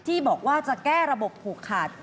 ที่บอกว่าจะแก้ระบบผูกขาด